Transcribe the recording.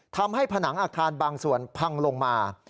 ทำให้ผนังอาคารบางส่วนพังลงมา